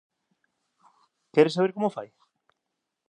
Queres saber como o fai?